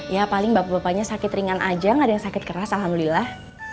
ya paling bapak bapaknya sakit ringan aja gak ada yang sakit keras alhamdulillah